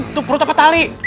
itu perut apa tali